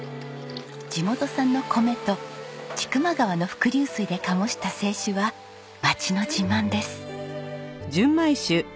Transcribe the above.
地元産の米と千曲川の伏流水で醸した清酒は町の自慢です。